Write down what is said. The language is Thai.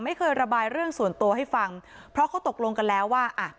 ไม่เคยระบายเรื่องส่วนตัวให้ฟังเพราะเขาตกลงกันแล้วว่าอ่ะ